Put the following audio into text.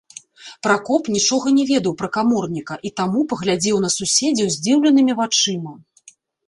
Пракоп нічога не ведаў пра каморніка і таму паглядзеў на суседзяў здзіўленымі вачыма.